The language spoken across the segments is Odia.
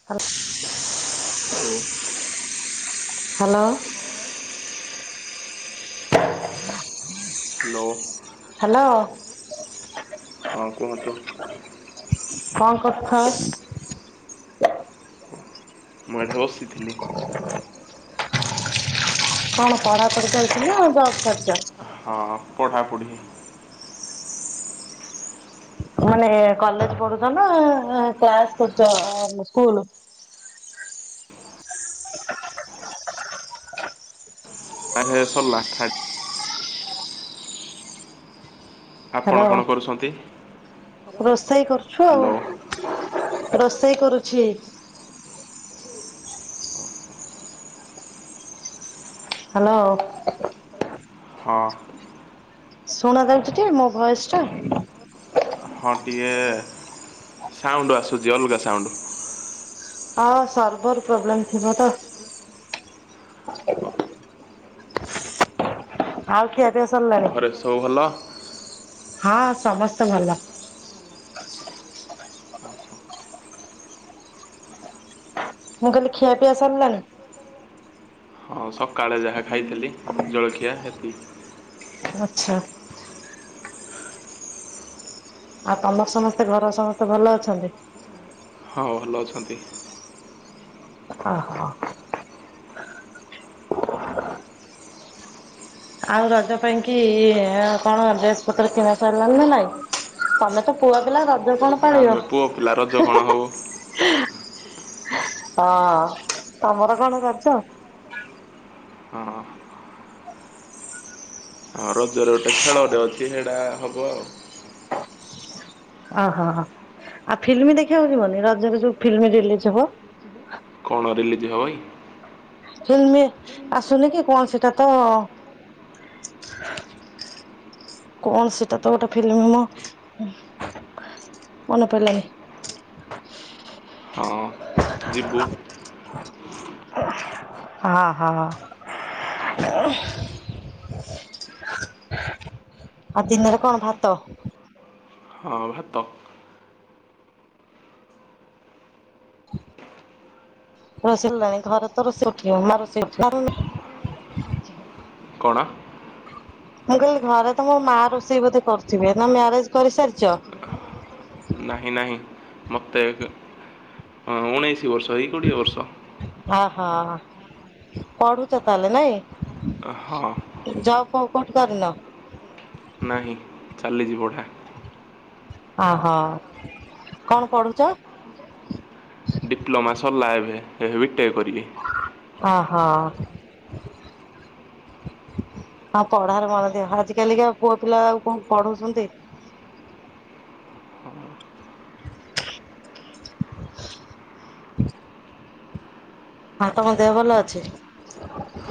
[unintelligible] [unintelligible] [inaudible] ହ୍ୟାଲୋ। [inaudible] ହ୍ୟାଲୋ। ହ୍ୟାଲୋ। [inaudible] ହଁ କୁହନ୍ତୁ। [unintelligible] ମୁଁ ଏଠରେ ବସିଥିଲି। କଣ ପଢ଼ି ପଢ଼ି ଚାଲିଚି ନା ଜବ୍ କରିଛ? ହଁ ପଢ଼ା ପଢ଼ି। ମାନେ କଲେଜ ପଢୁଛ ନା କ୍ଲାସ କରୁଛ ସ୍କୁଲ? [unintelligible] ଆପଣ ହ୍ୟାଲୋ କଣ କରୁଛନ୍ତି? ରୋଷେଇ କରୁଛୁ ହ୍ୟାଲୋ ଆଉ ରୋଷେଇ କରୁଛି। ହ୍ୟାଲୋ। ହଁ। ଶୁଣା ଯାଉଛି ଟିକେ ମୋ ଭୟସଟା? ହଁ ଟିକେ ସାଉଣ୍ଡ ଆସୁଛି ଅଲଗା ସାଉଣ୍ଡ। ହଁ ସର୍ଭର ପ୍ରୋବ୍ଲେମ ଥିବ ତ? [inaudible] ଆଉ ଖିଆ ପିଆ ସରିଲାଣି? ତଉ ଭଲ ହଁ ସମସ୍ତେ ଭଲ। [inaudible] ମୁଁ କହିଲି ଖିଆ ପିଆ ସରିଲାଣି? ହଁ ସକାଳେ ଯାହା ଖାଇଥିଲି ଜଳଖିଆ ହେତିକି। ଆଚ୍ଛା। ଆଉ ତମର ସମସ୍ତେ ଘର ସମସ୍ତେ ଭଲ ଅଛନ୍ତି? ହଁ ଭଲ ଅଛନ୍ତି। ଓହୋ। ଆଉ ରଜ ପାଇଁ କି କଣ ଡ୍ରେସ୍ ପତ୍ର କିଣା ସାରିଲାଣି ନା ନାଇଁ। ତମେ ତ ଖୁଆ ପିଲା ରଜ କଣ ଆମେ ପାଳିବ। ପୁଅ ପିଲା ରଜ କଣ ହବ ହଁ ତମର କଣ ରଜ। ହଁ। ହଁ ରଜରେ ଗୋଟେ ଖେଳରେ ଅଛି ସେଇଟା ହବ ଆଉ। ଓହୋ ଆଉ ଫିଲ୍ମ ଦେଖିବାକୁ ଯିବନି ରଜରେ ଯୋଉ ଫିଲ୍ମ ରିଲିଜ ହବ। କଣ ରିଲିଜ ହବ କି? ଫିଲ୍ମ ଆସୁନି କି କଣ ସେଟା ତ କଣ ସେଟା ତ ଗୋଟେ ଫିଲ୍ମ ମ ମନ ପଡ଼ିଲାଣିି। ହଁ ଯିବୁ ହଁ ହଁ। ଆଉ ଦିନରେ କଣ ଭାତ? ହଁ ଭାତ। ରୋଷେଇ ଲାଣି ଘରେ ତ ରୋଷେଇ ଉଠିବ ମା ରୋଷେଇ ଉଠିବାରୁ କଣ? ମୁଁ କହିଲି ଘରେ ତମ ମା ରୋଷେଇ ବୋଧେ କରୁଥିବେ ନା ମ୍ୟାରେଜ କରିସାରିଛ? ନାହିଁ ନାହିଁ ମୋତେ ଉଣେଇଶ ବର୍ଷ ଏଇ କୋଡ଼ିଏ ବର୍ଷ। ଓହୋ ପଢୁଛ ତାହେଲେ ନାଇଁ। ହଁ ଜବ୍ ଫବ୍ କଣ କରୁନ। ନାହିଁ ଚାଲିଯିବଟା। ଓହୋ କଣ ପଢୁଚ? ଡିପ୍ଲୋମା ସରିଲା ଏବେ ଏବେ ବି ଟେକ୍ କରିବି। ଓ ହୋ। ହଁ ପଢାରେ ମନ ଦିଅ ଆଜିକାଲିକା ପୁଅ ପିଲା ଆଉ କଣ ପଢଉଛନ୍ତି। ଆଉ ତମ ଦେହ ଭଲ ଅଛି?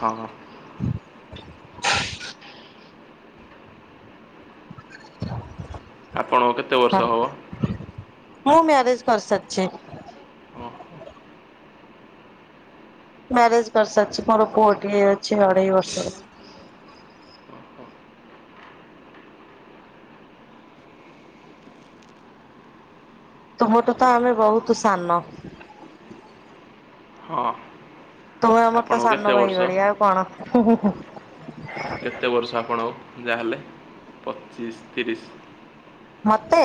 ହଁ ହଁ। ଆପଣଙ୍କୁ କେତେ ହଁ ବର୍ଷ ହେବ? ମୁଁ ମ୍ୟାରେଜ କରିସାରିଛି। ମ୍ୟାରେଜ କରିସାରିଛି ମୋର ପୁଅଟି ଅଛି ଅଢେଇ ବର୍ଷ। ତମଠୁ ତ ଆମେ ବହୁତ ସାନ। ହଁ। ତୁମେ ଆମର ତ ଆପଣଙ୍କୁ ସାନ କେତେ ଭାଇ ବର୍ଷ ଭଳିଆ ଆଉ କଣ। କେତେ ବର୍ଷ ଆପଣଙ୍କୁ ଯାହାହେଲେ ପଚିଶ ତିରିଶ। ମତେ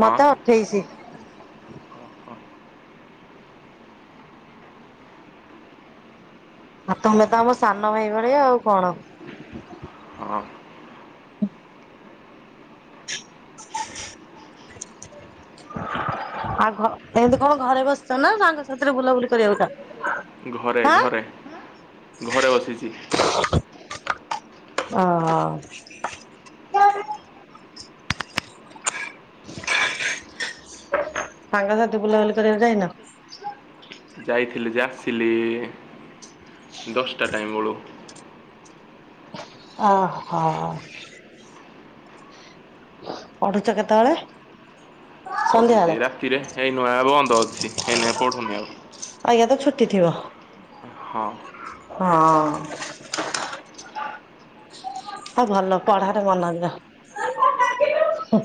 ହଁ ମତେ ଅଠେଇଶି। ଆଉ ତମେ ତ ଆମ ସାନ ଭାଇ ଭଳିଆ ଆଉ କଣ। ହଁ [inaudible] ଆଉ ଏମିତି କଣ ଘରେ ବସିଛ ନା ତାଙ୍କ ସାଥିରେ ବୁଲାବୁଲି କରିବାକୁ ଯାଅ। ଘରେ ଆଁ ଘରେ ଘରେ ବସିଛି। ଓହୋ। ସାଙ୍ଗସାଥି ବୁଲାବୁଲି କରିବାକୁ ଯାଇନ। ଯାଇଥିଲି ଯେ ଆସିଲି ଦଶଟା ଟାଇମ୍ ବେଳୁ। ଅହ। ପଢୁଛ କେତେବେଳେ? ସନ୍ଧ୍ୟାବେଳେ? ପଢୁଛି ରାତିରେ ଏଇ ନୂଆଁ ବନ୍ଦ ଅଛି ଏଇନେ ପଢୁନି ଆଉ। ଆଜ୍ଞା ତ ଛୁଟି ଥିବ। ହଁ। ହଁ। ହଉ ଭଲ ପଢାରେ ମନ ଦିଅ।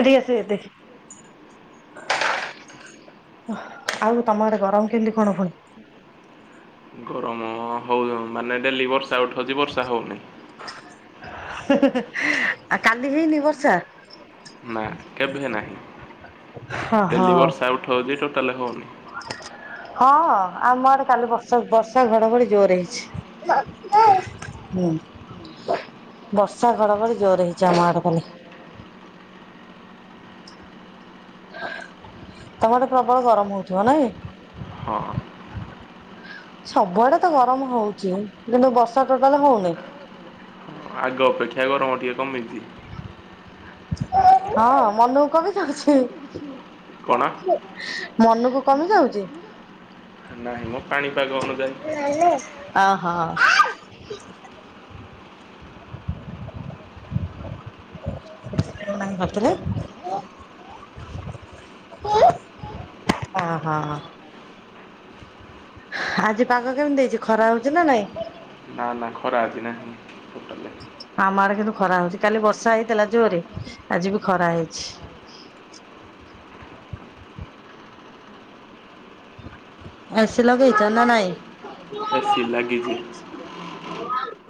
ଏଠିକି ଆସି ଦେ। ଆଉ ତମ ଆଡେ ଗରମ କେମିତି କଣ ପୁଣି? ଗରମ ହଉ ହଁ ମାନେ ଡେଲି ବର୍ଷା ଉଠଉଚି ବର୍ଷା ହୋଉନି। ଆ କାଲି ହେଇନି ବର୍ଷା? ନା କେଭେ ହେ ନାହିଁ। ହଁ ଡେଲି ହଁ। ବର୍ଷା ଉଠଉଛି ଟୋଟାଲ ହଉନି। ହଁ ଆମ ଆଡେ କାଲି ବର୍ଷା ବର୍ଷା ଘଡଘଡି ଜୋରେ ହେଇଛି। ହୁଁ ବର୍ଷା ଘଡଘଡି ଜୋରେ ହେଇଛି ଆମ ଆଡେ କାଲି। ତମ ଆଡେ ପ୍ରବଳ ଗରମ ହଉଥିବ ନାଇଁ? ହଁ ସବୁଆଡେ ତ ଗରମ ହଉଛି କିନ୍ତୁ ବର୍ଷା ଟୋଟାଲ ହଉନି। ଆଗ ଅପେକ୍ଷା ଗରମ ଟିକିଏ କମିଛି। ହଁ ମନକୁ କମି ଯାଉଛି କଣ ମନକୁ କମି ଯାଉଛି। ନାହିଁ ମ ପାଣିପାଗ ଅନୁଯାୟୀ। ଅହ। [unintelligible] ଅହ। ଆଜି ପାଗ କେମିତି ହେଇଛି ଖରା ହଉଛି ନା ନାଇଁ। ନା ନା ଖରା ଆଜି ନାହିଁ ଟୋଟାଲେ। ଆମ ଆଡେ କିନ୍ତୁ ଖରା ହଉଛି କାଲି ବର୍ଷା ହେଇଥିଲା ଜୋରେ ଆଜି ବି ଖରା ହେଇଛି। ଏସି ଲଗେଇଚ ନା ନାଇଁ? ଏସି ଲାଗିଛି।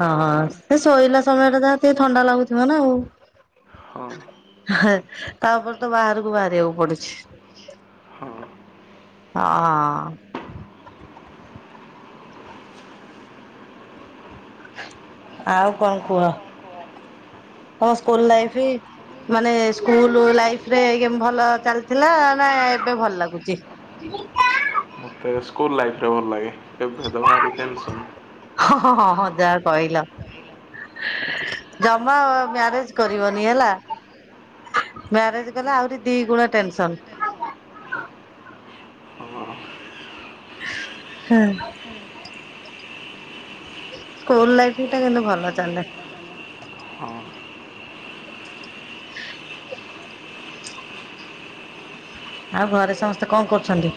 ହଁ ସେ ଶୋଇଲା ସମୟ ଟା ଯାହା ଟେ ଥଣ୍ଡା ଲାଗୁଥିବ ନା ଆଉ। ହଁ ତା ଉପରେ ତ ବାହାରକୁ ବାହାରିବାକୁ ପଡୁଛି। ହଁ। ହଁ। ଆଉ କଣ କୁହ କଣ ସ୍କୁଲ ଲାଇଫରେ ମାନେ ସ୍କୁଲୁ ଲାଇଫ ରେ କେମିତି ଭଲ ଚାଲିଥିଲା ନା ଏବେ ଭଲ ଲାଗୁଛି? [unintelligible] ମତେ ସ୍କୁଲ ଲାଇଫ ଟା ଭଲ ଲାଗେ ଏବେ ତ ଭାରି ଟେନସନ୍। ହଁ ହଁ ହଁ ଯାହା କହିଲ। ଜମା ମ୍ୟାରେଜ୍‌ କରିବନି ହେଲା। ମ୍ୟାରେଜ୍‌ କଲେ ଆହୁରି ଦି ଗୁଣା ଟେନ୍‌ସନ୍‌। ହଁ ହୁଁ। ସ୍କୁଲ ଲାଇଫ ଟା କିନ୍ତୁ ଭଲ ଚାଲେ। ହଁ। ଆଉ ଘରେ ସମସ୍ତେ କଣ କରୁଛନ୍ତି?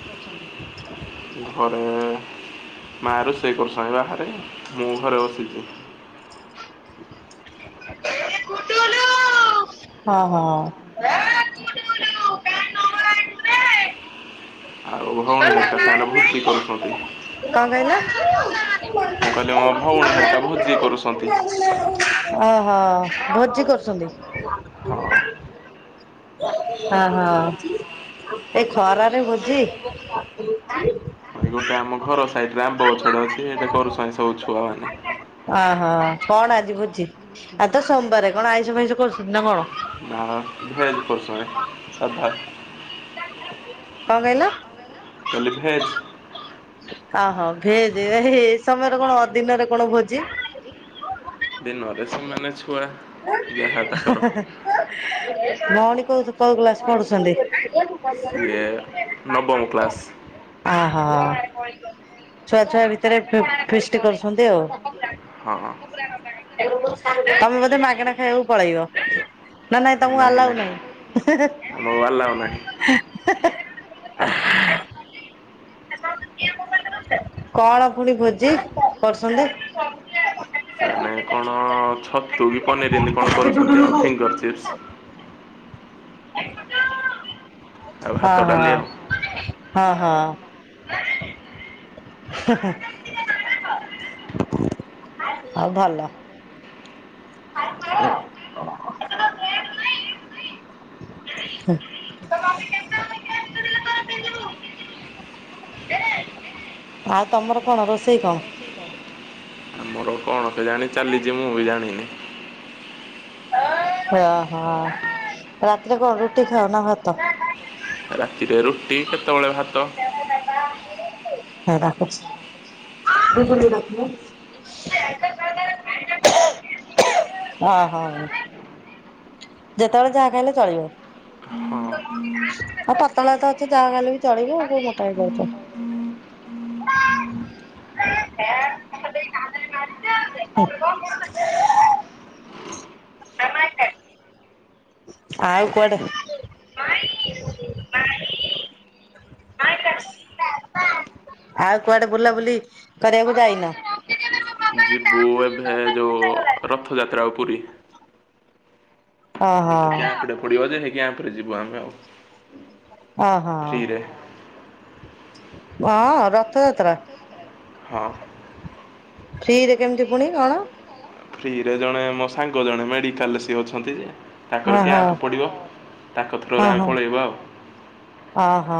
ଆ ରୋଷେଇ କରୁଛନ୍ତି ବାହାରେ ମୁଁ ଘରେ ବସିଛି। ହଁ ହଁ। ଆଉ ଭଉଣୀ କଣ ହେରିକା ସେମାନେ ଭୋଜି କରୁଛନ୍ତି କହିଲ? ମୁଁ କହିଲି ମୋ ଭଉଣୀ ହେରିକା ଭୋଜି କରୁଛନ୍ତି। ଓହୋ, ଭୋଜି କରୁଚନ୍ତି? ହଁ। ଓହୋ, ଏଇ ଖରାରେ ଭୋଜି? ଏଇ ଗୋଟେ ଆମ ଘର ସାଇଟ୍ ରେ ଆମ୍ବ ଗଛଟେ କଣ ଅଛି, ସେଇଟି କରୁଛନ୍ତି ସବୁ ଛୁଆ ମାନେ। ଅହୋ କଣ ଆଜି ଭୋଜି? ଆଜି ତ ସୋମବାରେ, କଣ ଆଇଁଷ ଫାଇଁଷ କରୁଚନ୍ତି ନା କଣ? ନା ଭେଜ୍ କରୁଚନ୍ତି ସାଧା। କଣ କହିଲ? କହିଲି ଭେଜ୍। ଅହୋ, ଭେଜ୍, ହେ ହେ, ଏ ସମୟରେ କଣ ଅଦିନରେ କଣ ଭୋଜି? ଦିନରେ ସେମାନେ ଛୁଆ ହା ଯାହା ତାଙ୍କର ହା ହା, ଭଉଣୀ କୋଉ କୋଉ କ୍ଲାସ୍ ପଢୁଚନ୍ତି? ସିଏ ନବମ କ୍ଲାସ୍। ଅହୋ। ଛୁଆ ଛୁଆ ଭିତରେ ଫି ଫିଷ୍ଟି କରୁଛନ୍ତି ଆଉ। ହଁ ତମେ ବୋ ଧେ ମାଗଣା ଖାଇବାକୁ ପଳେଇବ, ନା ନାଇଁ ତମକୁ ଆଲାଉ ନାହିଁ? ହେ ହେ ହେ। ଆମକୁ ଆଲାଉ ନାହିଁ। ହେ ହେ ହେ କଣ ପୁଣି ଭୋଜି କରୁଚନ୍ତି? ସେମାନେ କଣ ଛତୁ କି ପନିର ଏମିତି କଣ କରୁଚନ୍ତି ଆଉ, ଫିଙ୍ଗର୍ ଚିପ୍ସ? ଆଉ ଅ ଭାତ ହୋ, ଡାଲି ଆଉ ହଁ ହଁ। ହେ ହେ ହେ, ହଉ ଭଲ। [unintelligible] [unintelligible] ଆଉ ତମର କଣ, ରୋଷେଇ କଣ? ଆମର କଣ କେଜାଣି ଚାଲିଚି, ମୁଁ ବି ଜାଣିନି। ଓହୋ, ରାତିରେ କଣ ରୁଟି ଖାଅ ନା ଭାତ? ରାତିରେ ରୁଟି, କେତେବେଳେ ଭାତ। ଏ ଡାକୁଚି। [unintelligible] ଅ ହ ଯେତେବେଳେ ଯାହା ଖାଇଲେ ଚଳିବ। ହଁ ଅ ପତଳା ତ ଅଛ, ଯାହା ଖାଇଲେ ବି ଚଳିବ ଆଉ କୋଉ ମୋଟା ହେଇଯାଉଚ? ହୁଁ [unintelligible] ଆଉ କଆଡେ? ଆଉ କୁଆଡେ ବୁଲାବୁଲି କରିବାକୁ ଯାଇନ? ଯିବୁ ଏବେ ଯଉ ରଥଯାତ୍ରା କୁ ପୁରୀ। ଓହୋ ଗୋଟେ କ୍ୟାମ୍ପ୍ ଟେ ପଡିବ ଯେ, ହେଇ କ୍ୟାମ୍ପ୍ ରେ ଯିବୁ ଆମେ ଆଉ। ଅ ହ। ଫ୍ରିରେ ୱା ରଥଯାତ୍ରା? ହଁ। ଫ୍ରିରେ କେମିତି ପୁଣି କଣ? ଫ୍ରିରେ ଜଣେ ମୋ ସାଙ୍ଗ ଜଣେ ମେଡିକାଲ ସିଏ ଅଛନ୍ତି ଯେ। ତାଙ୍କର ଓହୋ କ୍ୟାପ ପଡ଼ିବ ତାଙ୍କ ଥ୍ରୋରୁ ଆମେ ପଳେଇବା ଆଉ। ଅ ହ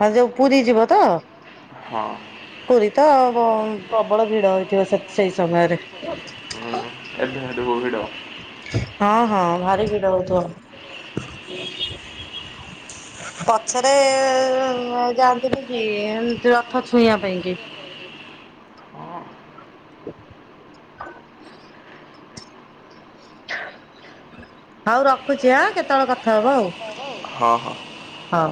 ହ ଯୋଉ ପୁରୀ ଯିବ ତ। ହଁ ପୁରୀ ତ ପ୍ରବଳ ଭିଡ ହେଇଥିବ ସେ ସେଇ ସମୟରେ [unintelligible] ଭିଡ଼ ହଁ ହଁ ଭାରି ଭିଡ଼ ହଉଥିବ। ପଛରେ ଯାଆନ୍ତିନି କି ଏ ରଥ ଛୁଇଁବା ପାଇଁ କି। [inaudible] ହଉ ରଖୁଛି ଆଁ କେତେବେଳେ କଥା ହବା ଆଉ। ଓହୋ ହଉ।